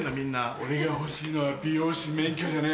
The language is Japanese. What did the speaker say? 俺が欲しいのは美容師免許じゃねえ。